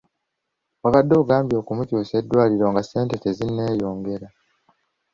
Wabadde ogambye okumukyusa eddwaliro nga ssente tezinneeyongera!